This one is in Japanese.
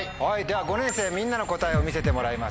５年生みんなの答えを見せてもらいましょう。